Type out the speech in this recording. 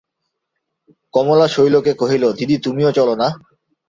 কমলা শৈলকে কহিল, দিদি, তুমিও চলো-না।